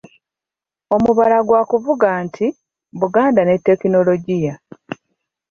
Omubala gwa kuvuga nti,"Buganda ne tekinologiya".